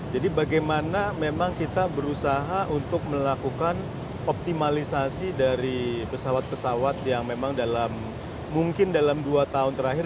jadi bagaimana memang kita berusaha untuk melakukan optimalisasi dari pesawat pesawat yang memang dalam mungkin dalam dua tahun terakhir